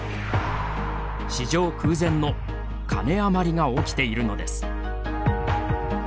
史上空前のカネ余りが起きているのです。